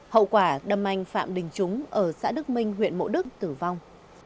hậu quả đâm manh phạm đình trúng ở xã đức minh huyện bụng đức tử vong